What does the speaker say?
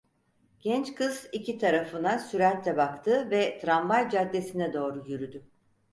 Genç kız iki tarafına süratle baktı ve tramvay caddesine doğru yürüdü.